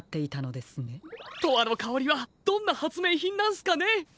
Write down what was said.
「とわのかおり」はどんなはつめいひんなんすかね？